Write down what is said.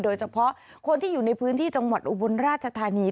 โดยเฉพาะคนที่อยู่ในพื้นที่จังหวัดอุบลราชธานี